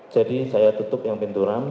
jadi saya tutup yang pintu ram